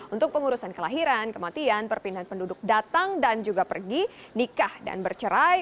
untuk pengurusan kelahiran kematian perpindahan penduduk datang dan juga pergi nikah dan bercerai